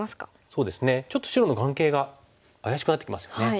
そうですねちょっと白の眼形が怪しくなってきますよね。